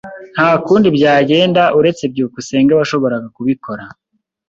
Nta kundi byagenda uretse byukusenge washoboraga kubikora.